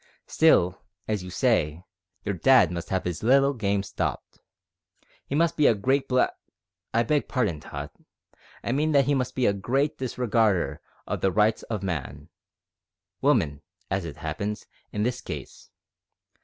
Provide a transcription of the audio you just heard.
Still, as you say, your dad must have his little game stopped. He must be a great blackg I beg pardon, Tot, I mean that he must be a great disregarder of the rights of man woman, as it happens, in this case.